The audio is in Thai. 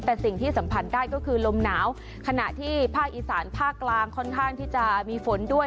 แต่สิ่งที่สัมผัสได้ก็คือลมหนาวขณะที่ภาคอีสานภาคกลางค่อนข้างที่จะมีฝนด้วย